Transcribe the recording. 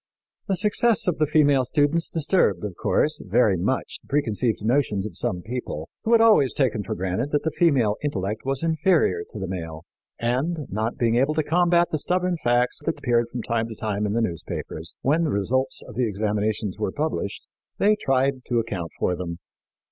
"The success of the female students disturbed, of course, very much the preconceived notions of some people, who had always taken for granted that the female intellect was inferior to the male; and, not being able to combat the stubborn facts that appeared from time to time in the newspapers, when the results of the examinations were published, they tried to account for them."